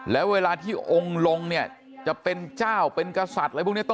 แล้วเวลาที่องค์ลงเนี่ยจะเป็นเจ้าเป็นกษัตริย์อะไรพวกนี้